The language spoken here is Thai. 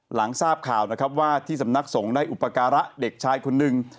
หลังทราบข่าวนะครับว่าที่สำนักสงฆ์ได้อุปการะเด็กชายคนหนึ่ง